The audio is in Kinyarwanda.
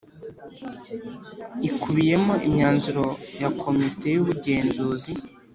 ikubiyemo imyanzuro ya Komite y Ubugenzuzi